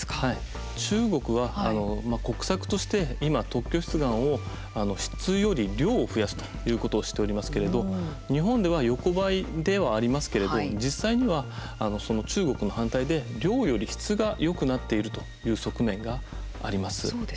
中国は国策として、今特許出願を、質より量を増やすということをしておりますけれど日本では横ばいではありますけれど実際には中国の反対で量より質がよくなっているという側面があります。